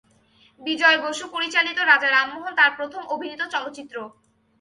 বিজয় বসু পরিচালিত "রাজা রামমোহন" তার প্রথম অভিনীত চলচ্চিত্র।